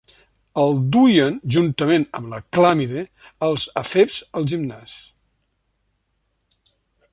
El duien, juntament amb la clàmide, els efebs al gimnàs.